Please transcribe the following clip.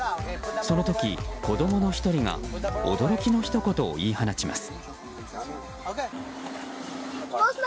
その時、子供の１人が驚きのひと言を言い放ちます。